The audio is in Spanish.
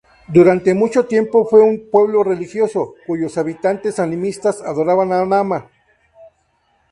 Durante mucho tiempo fue un pueblo religioso, cuyos habitantes animistas adoraban a Nama.